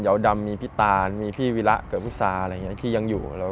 เหลี่ยวดำมีพี่ตานมีพี่วีระเกิดพี่สาที่ยังอยู่